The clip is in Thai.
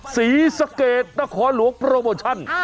ศรีสะเกดนครหลวงโปรโมชั่น